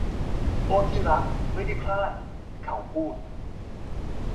โอ้ที่รักไม่ได้พลาดเขาพูด